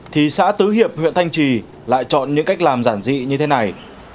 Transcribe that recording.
thì xã tứ hiệp huyện thanh trì lại chọn những cách làm giản dị như thế này